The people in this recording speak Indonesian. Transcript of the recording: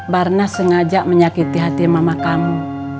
barna sengaja menyakiti hati mama kamu